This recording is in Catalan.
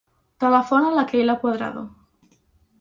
Telefona a la Keyla Cuadrado.